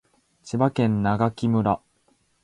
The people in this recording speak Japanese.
千葉県長生村